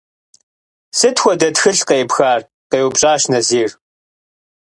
– Сыт хуэдэ тхылъ къеӀыпхар? – къеупщӀащ Назир.